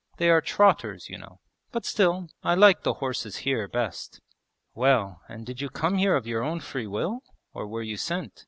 They are trotters, you know.... But still, I like the horses here best.' 'Well, and did you come here of your own free will, or were you sent?'